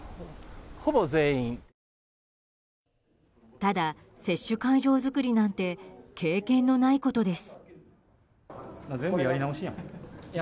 ただ、接種会場作りなんて経験のないことです。